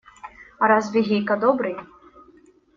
А разве Гейка добрый?